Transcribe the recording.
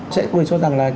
sẽ có người cho rằng là